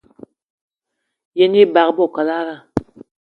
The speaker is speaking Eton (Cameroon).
Yen ebag i bo kalada